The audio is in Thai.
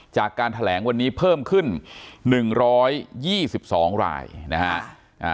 จากการแถลงวันนี้เพิ่มขึ้น๑๒๒รายนะฮะ